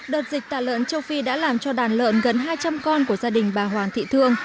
đợt dịch tả lợn châu phi đã làm cho đàn lợn gần hai trăm linh con của gia đình bà hoàng thị thương